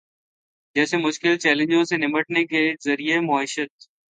جیسے مشکل چیلنجوں سے نمٹنے کے ذریعہ معیشت